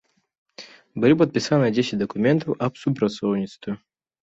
Былі падпісаныя дзесяць дакументаў аб супрацоўніцтве.